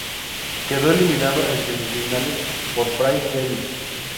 Quedó eliminado en semifinales por Price Devitt.